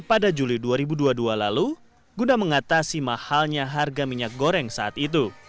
pada juli dua ribu dua puluh dua lalu guna mengatasi mahalnya harga minyak goreng saat itu